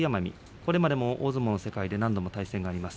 これまでも大相撲の世界で何度も対戦があります。